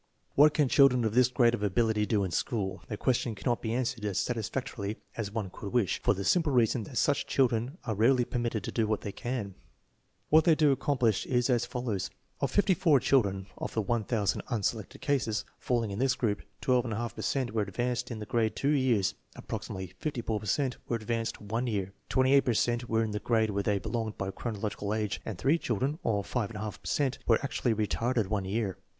What can children of this grade of ability do in school? The question cannot be answered as satisfactorily as one could wish, for the simple reason that such children are rarely permitted to do what they can. What they do accom plish is as follows: Of 54 children (of the 1000 unselected cases) falling in this group, 12J^ per cent were advanced in the grades two years, approximately 54 per cent were ad vanced one year, 28 per cent were in the grade where they belonged by chronological age, and three children, or 5J^ per cent, were actually retarded one year.